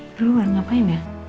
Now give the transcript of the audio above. di luar ngapain ya